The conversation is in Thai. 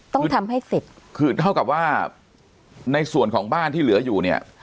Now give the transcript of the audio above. ต้องทำให้เสร็จคือเท่ากับว่าในส่วนของบ้านที่เหลืออยู่เนี่ย